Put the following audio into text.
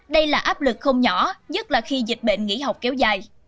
đây là áp lực không nhỏ nhất là khi dịch bệnh nghỉ học kéo dài